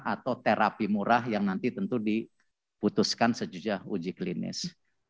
atau terapi murah yang nanti tentu diputuskan sejujurnya uji klinis